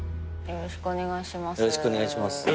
よろしくお願いします。